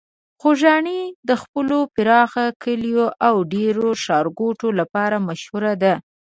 خوږیاڼي د خپلو پراخو کليو او ډیرو ښارګوټو لپاره مشهور ده.